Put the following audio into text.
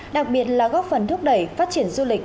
đặc biệt là góp phần thúc đẩy phát triển du lịch